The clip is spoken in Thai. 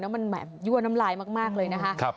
มันมีไอ้น้ำลายมากฮะ